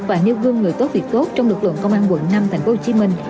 và như gương người tốt việc tốt trong lực lượng công an quận năm tp hcm